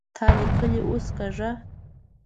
تا ليکلې اوس کږه